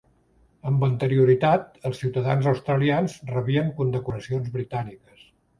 Amb anterioritat, els ciutadans australians rebien condecoracions britàniques.